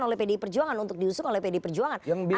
oleh pdi perjuangan untuk diusung oleh pd perjuangan